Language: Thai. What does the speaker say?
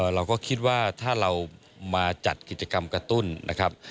เราก็คิดว่าถ้าเรามาจัดกิจกรรมกระตุ้นนะครับ